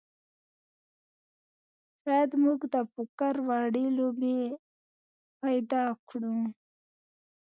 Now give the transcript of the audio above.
شاید موږ د پوکر وړې لوبې پیدا کړو